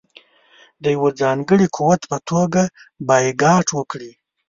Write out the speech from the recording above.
د یوه ځانګړي قوت په توګه بایکاټ وکړي.